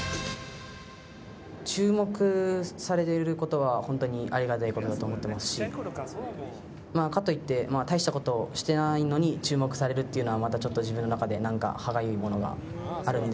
注目されている事は本当にありがたい事だと思ってますしまあかといって大した事してないのに注目されるっていうのはまたちょっと自分の中でなんか歯がゆいものがあるんで。